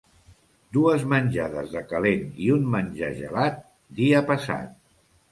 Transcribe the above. Dues menjades de calent i un menjar gelat, dia passat.